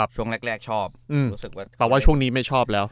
ช่วงแรกชอบรู้สึกว่าแต่ว่าช่วงนี้ไม่ชอบแล้ว